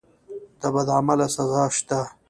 د بد عمل سزا شته.